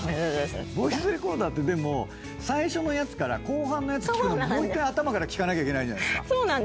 ボイスレコーダーって最初のやつから後半のやつ聞くのにもう１回頭から聞かなきゃいけないじゃないですか。